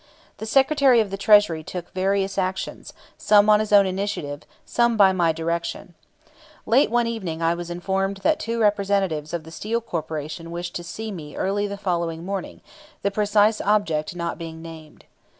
The Secretary of the Treasury took various actions, some on his own initiative, some by my direction. Late one evening I was informed that two representatives of the Steel Corporation wished to see me early the following morning, the precise object not being named.